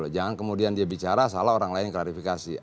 jangan kemudian dia bicara salah orang lain yang klarifikasi